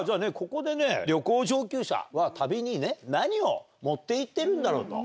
ここでね旅行上級者は旅に何を持って行ってるんだろうと。